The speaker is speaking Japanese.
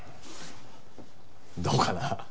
どうかな。